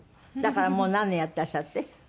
だからもう何年やってらっしゃるって？